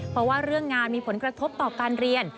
เพราะว่าเรื่องงานมีผลกระทบต่อการเรียน